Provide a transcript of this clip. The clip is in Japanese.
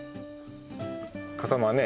笠間はね